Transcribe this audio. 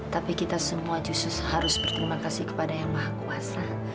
tapi kita semua justru harus berterima kasih kepada yang maha kuasa